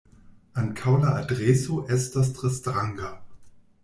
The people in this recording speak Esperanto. Ankaŭ la adreso estos tre stranga.